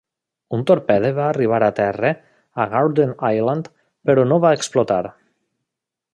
Un torpede va arribar a terra a Garden Island, però no va explotar.